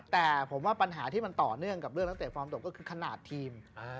แต่ผมว่าปัญหาที่มันต่อเนื่องกับเรื่องนักเตะฟอร์มตกก็คือขนาดทีม